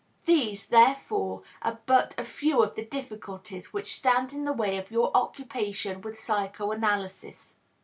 These, therefore, are but a few of the difficulties which stand in the way of your occupation with psychoanalysis.